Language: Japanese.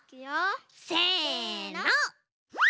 せの！